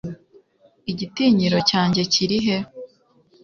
igitinyiro cyanjye kiri he